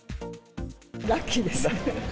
ラッキーです。